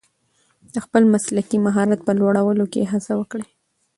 د خپل مسلکي مهارت په لوړولو کې هڅه وکړئ.